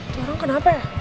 tuh orang kenapa ya